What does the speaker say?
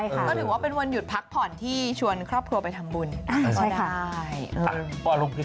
ก็ถือว่าเป็นวันหยุดพักผ่อนที่ชวนครอบครัวไปทำบุญก็ได้